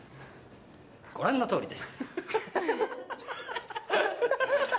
ご覧の通りです。